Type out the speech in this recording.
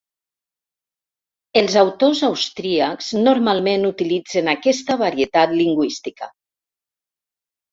Els autors austríacs normalment utilitzen aquesta varietat lingüística.